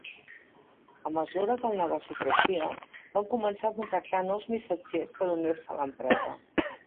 A mesura que el negoci creixia, van començar a contractar nous missatgers per unir-se a l'empresa.